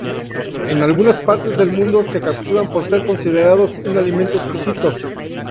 En algunas partes del mundo se capturan por ser consideradas un alimento exquisito.